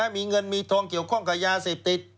มีเงินมีทองเกี่ยวข้องกับยาเสพติด